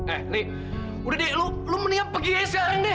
eh nih udah deh lu lu mendingan pergi aja sekarang deh